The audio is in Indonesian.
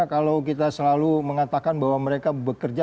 kalau kita selalu mengatakan bahwa mereka bekerja